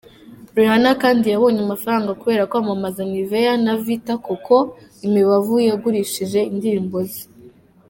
Rihanna kandi yabonye amafaranga kubera kwamamaza Nivea na Vita coco, imibavu yagurishije, indirimbo ze….